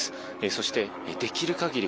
そして、できる限り